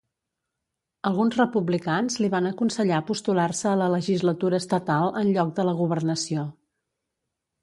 Alguns republicans li van aconsellar postular-se a la legislatura estatal en lloc de la governació.